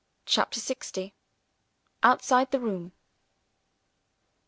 CHAPTER LX. OUTSIDE THE ROOM.